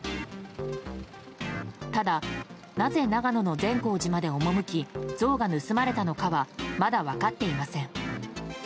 ただ、なぜ長野の善光寺まで赴き像が盗まれたのかはまだ分かっていません。